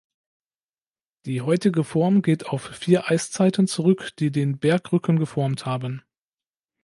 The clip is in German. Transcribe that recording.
Die heutige Form geht auf vier Eiszeiten zurück, die den Bergrücken geformt haben.